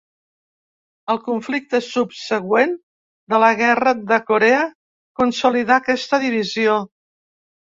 El conflicte subsegüent de la guerra de Corea consolidà aquesta divisió.